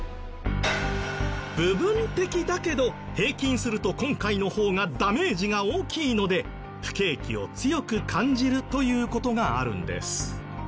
部分的だけど平均すると今回の方がダメージが大きいので不景気を強く感じるという事があるんです。